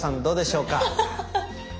どうでしょうか。